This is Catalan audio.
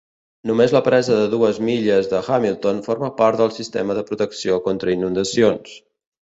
Només la presa de dues milles de Hamilton forma part del sistema de protecció contra inundacions.